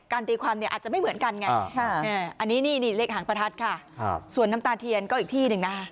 ตีความเนี่ยอาจจะไม่เหมือนกันไงอันนี้นี่เลขหางประทัดค่ะส่วนน้ำตาเทียนก็อีกที่หนึ่งนะคะ